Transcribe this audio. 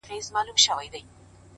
لمر چي د ميني زوال ووهي ويده سمه زه،